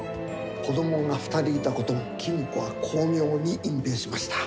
子どもが２人いたことも公子は巧妙に隠蔽しました。